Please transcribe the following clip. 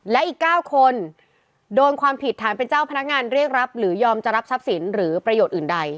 และอีก๙คนโดนความผิดฐานเป็นเจ้าพนักงานเรียกรับหรือยอมจะรับทรัพย์สินหรือประโยชน์อื่นใด